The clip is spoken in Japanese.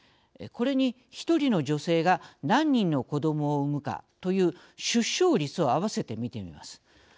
これに一人の女性が何人の子どもを産むかという出生率をあわせて見てみます。